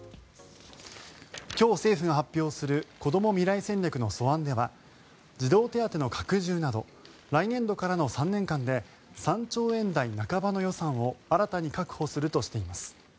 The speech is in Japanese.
今日政府が発表するこども未来戦略の素案では児童手当の拡充など来年度からの３年間で３兆円台半ばの予算を新たに確保するとしています。